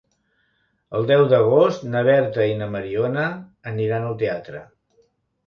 El deu d'agost na Berta i na Mariona aniran al teatre.